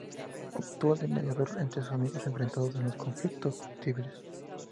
Actuó de mediador entre sus amigos, enfrentados en los conflictos civiles.